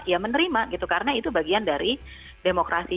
ya menerima gitu karena itu bagian dari demokrasi